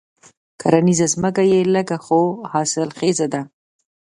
کرنيزه ځمکه یې لږه خو حاصل خېزه ده.